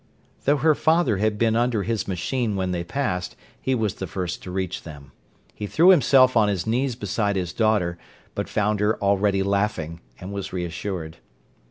Though her father had been under his machine when they passed, he was the first to reach them. He threw himself on his knees beside his daughter, but found her already laughing, and was reassured.